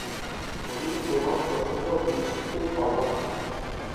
আমি তোমার প্রশ্নটা বুঝতে পারলাম না।